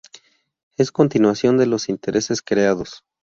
Es continuación de "Los intereses creados".